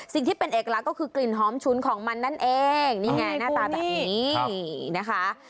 ที่เป็นเอกลักษณ์ก็คือกลิ่นหอมชุนของมันนั่นเองนี่ไงหน้าตาแบบนี้นะคะ